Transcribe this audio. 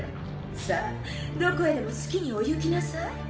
さあどこへでも好きにお行きなさい。